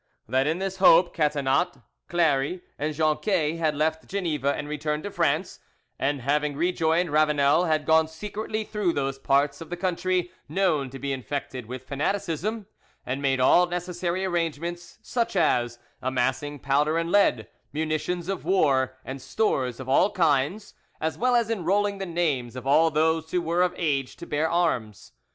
"That in this hope Catinat, Clary, and Jonquet had left Geneva and returned to France, and having joined Ravanel had gone secretly through those parts of the country known to be infected with fanaticism, and made all necessary arrangements, such as amassing powder and lead, munitions of war, and stores of all kinds, as well as enrolling the names of all those who were of age to bear arms.